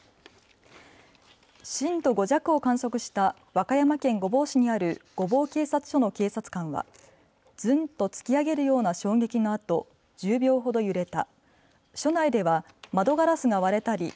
震度５弱を観測した和歌山県御坊市にある御坊警察署の警察官は、ズンと突き上げるような衝撃のあと１０秒ほど揺れた。